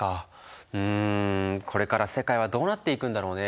うんこれから世界はどうなっていくんだろうね？